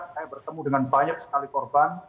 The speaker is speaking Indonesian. saya bertemu dengan banyak sekali korban